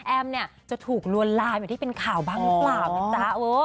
แอมเนี่ยจะถูกลวนลามอย่างที่เป็นข่าวบ้างหรือเปล่า